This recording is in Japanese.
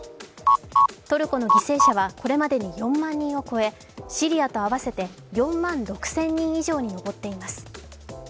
トルコの犠牲者はこれまでに４万人を超えシリアと合わせて４万６０００人以上に上っています。